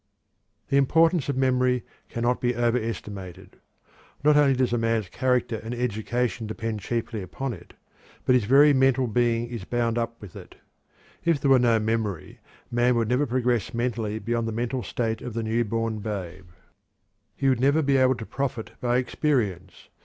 The importance of memory cannot be overestimated. Not only does a man's character and education depend chiefly upon it, but his very mental being is bound up with it. If there were no memory, man would never progress mentally beyond the mental state of the newborn babe. He would never be able to profit by experience.